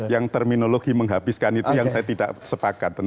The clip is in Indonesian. yang terminologi menghabiskan itu yang saya tidak sepakat